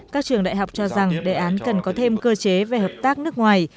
các trường đại học cho rằng đề án cần có thêm cơ chế về hợp tác nước ngoài